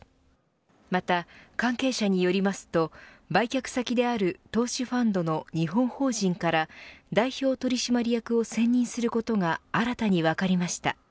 また、関係者によりますと売却先である投資ファンドの日本法人から代表取締役を選任することが新たに分かりました。